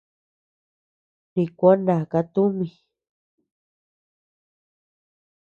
Nikua naka tumi.